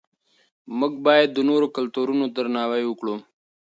موږ باید د نورو کلتورونو درناوی وکړو.